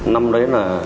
năm đấy là